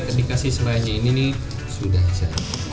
ketika si selainya ini sudah bisa